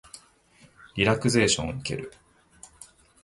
リラクゼーションを受ける